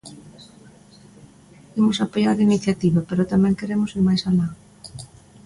Imos apoiar a iniciativa, pero tamén queremos ir máis alá.